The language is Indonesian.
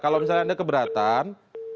kalau misalnya anda keberatan